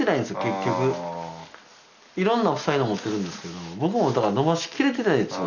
結局色んな才能持ってるんですけど僕もだから伸ばしきれてないんですよ